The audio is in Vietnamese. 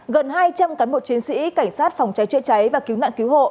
gần hai trăm linh cán bộ chiến sĩ cảnh sát phòng cháy chữa cháy và cứu nạn cứu hộ